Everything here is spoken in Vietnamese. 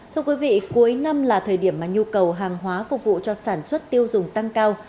thưa quý vị cuối năm là thời điểm mà nhu cầu hàng hóa phục vụ cho sản xuất tiêu dùng tăng cao